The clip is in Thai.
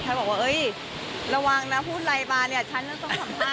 บอกว่าเอ้ยระวังนะพูดอะไรมาเนี่ยฉันจะต้องสัมภาษ